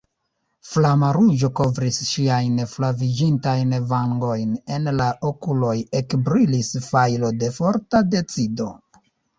Flama ruĝo kovris ŝiajn flaviĝintajn vangojn, en la okuloj ekbrilis fajro de forta decido.